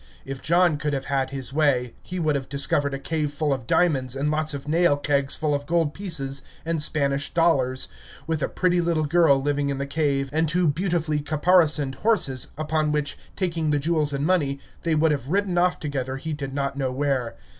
If John could have had his way, he would have discovered a cave full of diamonds, and lots of nail kegs full of gold pieces and Spanish dollars, with a pretty little girl living in the cave, and two beautifully caparisoned horses, upon which, taking the jewels and money, they would have ridden off together, he did not know where.